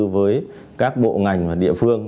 với các bộ ngành và địa phương